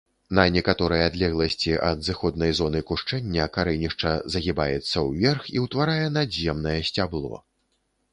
На некаторай адлегласці ад зыходнай зоны кушчэння карэнішча загібаецца ўверх і ўтварае надземнае сцябло.